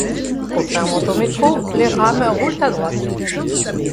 Contrairement au métro, les rames roulent à droite.